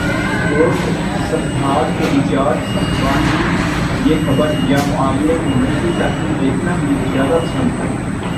Sports صفحات کے in charge صاحبان بھی ہر خبر یا معاملے کا منفی پہلو دیکھنا ہی زیادہ پسند کرتے ہیں۔